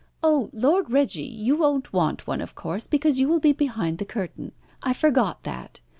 Oh! Lord Reggie, you won't want one, of course, because you will be behind the curtain. I forgot that.